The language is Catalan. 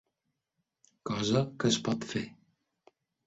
Cosa que es pot fer.